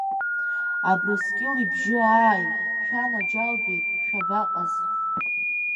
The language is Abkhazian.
Абрыскьыл ибжьы ааи, шәанаџьалбеит, шәабаҟаз?